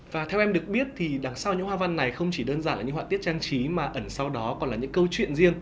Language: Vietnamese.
và theo em được biết thì đằng sau những hoa văn này không chỉ đơn giản là những họa tiết trang trí mà ẩn sau đó còn là những câu chuyện riêng